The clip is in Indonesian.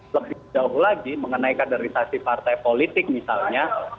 lebih jauh lagi mengenai kaderisasi partai politik misalnya